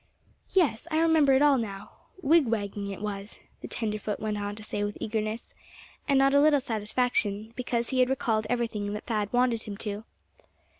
"Yes, I remember it all now wigwagging it was," the tenderfoot went on to say with eagerness, and not a little satisfaction, because he had recalled everything that Thad wanted him to.